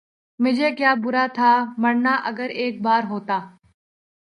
مجھے کیا برا تھا مرنا اگر ایک بار ہوتا